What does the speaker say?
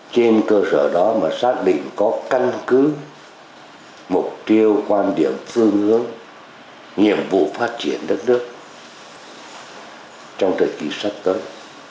trên cơ sở đó mà xác định có căn cứ mục tiêu quan điểm phương hướng nhiệm vụ phát triển đất nước trong thời kỳ sắp tới